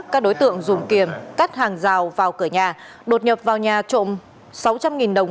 các đối tượng dùng kiềm cắt hàng rào vào cửa nhà đột nhập vào nhà trộm sáu trăm linh đồng